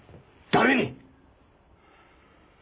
誰に？